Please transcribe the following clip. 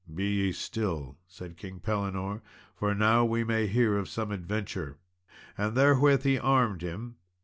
"Be ye still," said King Pellinore, "for now we may hear of some adventure," and therewith he armed him.